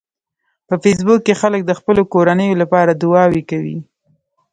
په فېسبوک کې خلک د خپلو کورنیو لپاره دعاوې کوي